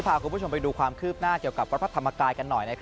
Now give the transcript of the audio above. พาคุณผู้ชมไปดูความคืบหน้าเกี่ยวกับวัดพระธรรมกายกันหน่อย